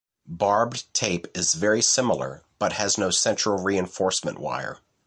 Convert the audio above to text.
Barbed tape is very similar, but has no central reinforcement wire.